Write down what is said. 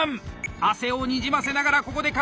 汗をにじませながらここで完成！